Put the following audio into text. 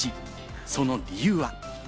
その理由は。